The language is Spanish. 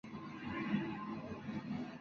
El lugar sería el aeropuerto paceño.